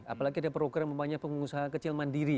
apalagi ada program umpamanya pengusaha kecil mandiri